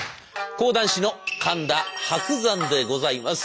講談師の神田伯山でございます。